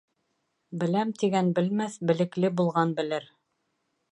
«Беләм» тигән белмәҫ, белекле булған белер.